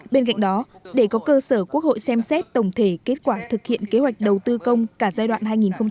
bên cạnh đó để có cơ sở quốc hội xem xét tổng thể kết quả thực hiện kế hoạch đầu tư công cả giai đoạn hai nghìn một mươi sáu hai nghìn hai mươi